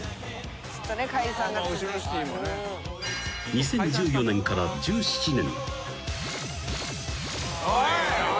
［２０１４年から１７年］